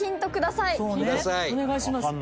お願いします。